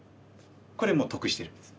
これもう得してるんです。